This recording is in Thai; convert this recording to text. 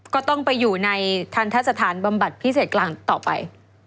ก็ต้องไปอยู่ในทันทะสถานบำบัดพิเศษกลางต่อไป